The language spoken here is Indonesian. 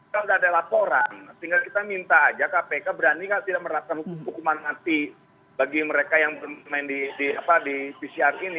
kalau nggak ada laporan tinggal kita minta aja kpk berani nggak merasakan hukuman mati bagi mereka yang bermain di pcr ini